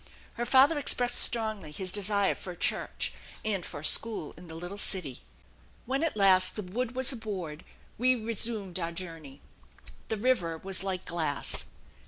Her father expressed strongly his desire for a church and for a school in the little city. When at last the wood was aboard we resumed our journey. The river was like glass.